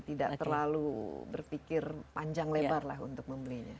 tidak terlalu berpikir panjang lebar lah untuk membelinya